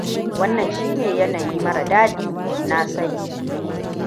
Wannan shi ne yanayi mara dadi, na sani.